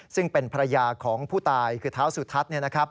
ซึ่งเป็นภรรยาของผู้ตายคือเท้าสุทัศน์